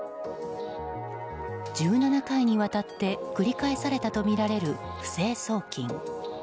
１７回にわたって繰り返されたとみられる不正送金。